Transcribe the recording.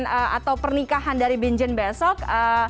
bocoran atau pernikahan dari binjen besok